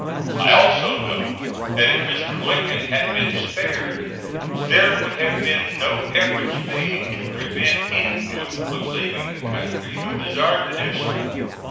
I also know that if Mr. Lincoln had been spared, there would have been no efforts made to prevent any one from leaving the country who desired to do so.